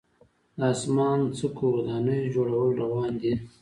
د اسمان څکو ودانیو جوړول روان دي.